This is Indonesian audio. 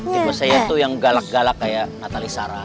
tipe saya tuh yang galak galak kayak natalie sarah